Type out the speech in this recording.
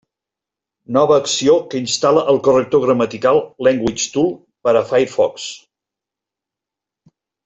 Nova acció que instal·la el corrector gramatical LanguageTool per al Firefox.